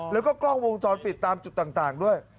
แล้วก็กล้องวงจรปิดตามจุดต่างด้วย